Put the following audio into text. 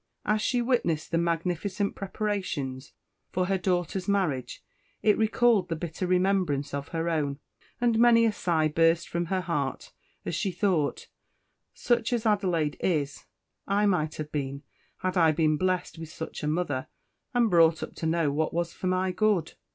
As she witnessed the magnificent preparations for her daughter's marriage, it recalled the bitter remembrance of her own and many a sigh burst from her heart as he thought, "Such as Adelaide is, I might have been had I been blest with such a mother, and brought up to know what was for my good!"